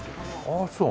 ああそう。